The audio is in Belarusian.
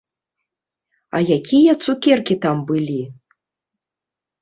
А якія цукеркі там былі?